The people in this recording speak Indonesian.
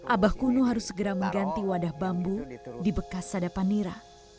abah kuno harus segera mengganti wadah bambu di bekas sadapan nira